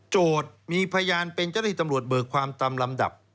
โจทย์มีพยานเป็นเจ้าธุ์ที่ตำรวจเบิกความตำลำดับ